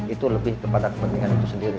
itu lebih kepada kepentingan itu sendiri